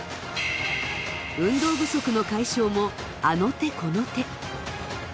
運動不足の解消もあの手この手。